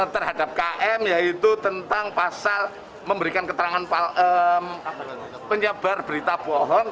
terhadap km yaitu tentang pasal memberikan keterangan penyebar berita bohong